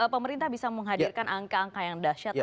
pemerintah bisa menghadirkan angka angka yang dahsyat